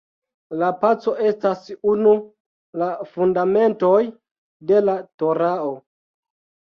La paco estas unu la fundamentoj de la Torao.